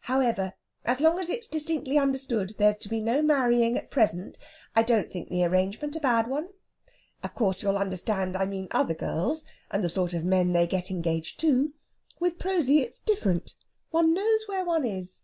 However, as long as it's distinctly understood there's to be no marrying at present, I don't think the arrangement a bad one. Of course, you'll understand I mean other girls, and the sort of men they get engaged to. With Prosy it's different; one knows where one is.